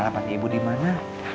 alamat ibu dimana